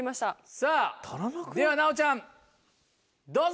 さぁでは奈央ちゃんどうぞ！